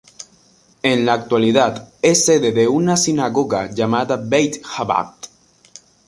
En la actualidad es sede de una sinagoga llamada Beit Jabad.